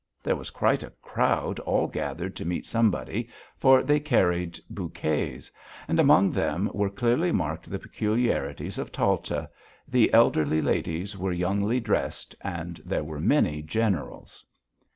There was quite a crowd all gathered to meet somebody, for they carried bouquets. And among them were clearly marked the peculiarities of Talta: the elderly ladies were youngly dressed and there were many generals.